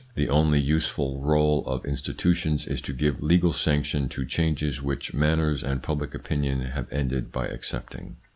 The only useful role of institutions is to give legal sanction to changes which manners and public opinion have ended by accepting.